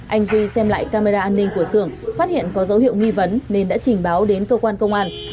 anh duy xem lại camera an ninh của sưởng phát hiện có dấu hiệu nghi vấn nên đã trình báo đến cơ quan công an